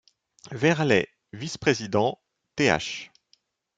Verley vice-président, Th.